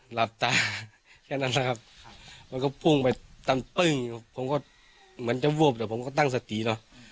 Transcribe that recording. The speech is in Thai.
หลับตาแค่นั้นนะครับมันก็พุ่งไปตามตึ้งอยู่ผมก็เหมือนจะวูบแต่ผมก็ตั้งสติเนอะ